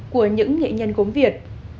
của những nghệ nhân gốm việt